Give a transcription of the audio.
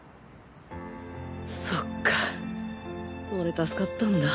そうか俺助かったんだ